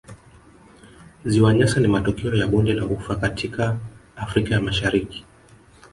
Ziwa Nyasa ni matokeo ya bonde la ufa katika Afrika ya Mashariki